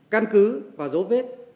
căn cứ và dấu vết